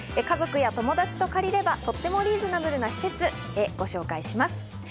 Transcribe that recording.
家族や友達と借りれば、とってもリーズナブルな施設、こちらをご紹介します。